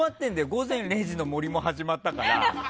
「午前０時の森」も始まったから。